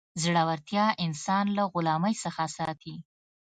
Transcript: زړورتیا انسان له غلامۍ څخه ساتي.